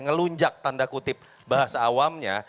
ngelunjak tanda kutip bahasa awamnya